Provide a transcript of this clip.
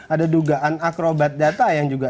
ada dugaan akrobat data yang juga